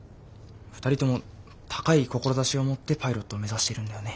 ２人とも高い志を持ってパイロットを目指しているんだよね。